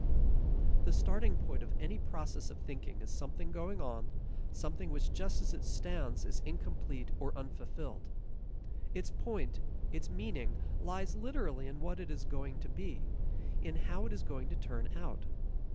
The starting point of any process of thinking is something going on, something which just as it stands is incomplete or unfulfilled. Its point, its meaning lies literally in what it is going to be, in how it is going to turn out.